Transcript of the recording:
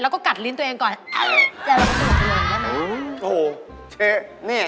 เราก็กัดลิ้นตัวเองก่อนอ้าวเจ๊เราก็จะห่วงกันแล้วนะ